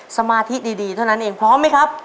สมาธิดีเท่านั้นเองพร้อมไหมครับ